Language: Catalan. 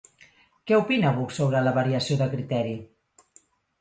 Què opina Buch sobre la variació de criteri?